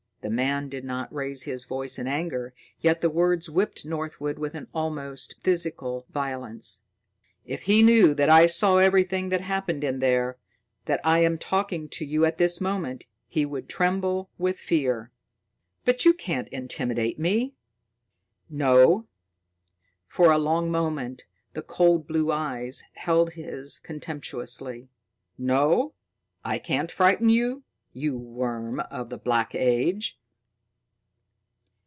The man did not raise his voice in anger, yet the words whipped Northwood with almost physical violence. "If he knew that I saw everything that happened in there that I am talking to you at this moment he would tremble with fear." "But you can't intimidate me." "No?" For a long moment, the cold blue eyes held his contemptuously. "No? I can't frighten you you worm of the Black Age?"